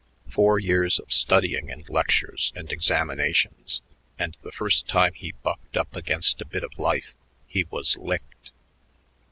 Four years of studying and lectures and examinations, and the first time he bucked up against a bit of life he was licked.